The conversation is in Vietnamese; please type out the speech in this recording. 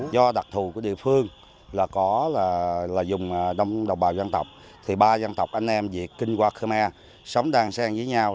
do đặc thù của địa phương là có là dùng đồng bào dân tộc thì ba dân tộc anh em việt kinh hoa khmer sống đàn sang với nhau